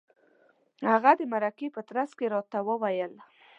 هغه د مرکې په ترڅ کې راته وویل.